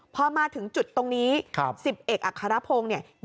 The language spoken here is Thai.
พอมาถึงจุดตรงนี้๑๐เอกอัครพงศ์เนี่ย